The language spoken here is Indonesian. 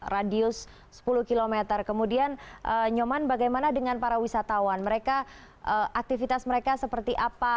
radius sepuluh km kemudian nyoman bagaimana dengan para wisatawan mereka aktivitas mereka seperti apa